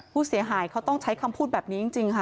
ผู้เสียหายเขาต้องใช้คำพูดแบบนี้จริงค่ะ